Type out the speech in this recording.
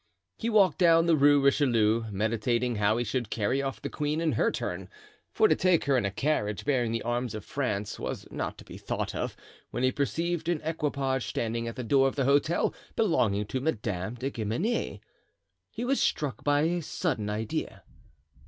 He walked down the Rue Richelieu, meditating how he should carry off the queen in her turn, for to take her in a carriage bearing the arms of France was not to be thought of, when he perceived an equipage standing at the door of the hotel belonging to Madame de Guemenee. He was struck by a sudden idea.